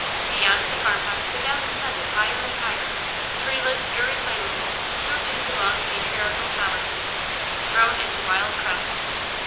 Beyond the farmhouse the downs ascended higher and higher, treeless, irreclaimable, scooped into long patriarchal solitudes, thrown into wild crests.